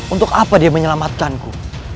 untuk apa dia menyelamatkan ku